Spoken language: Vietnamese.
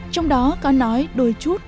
trong đó có nói đôi chút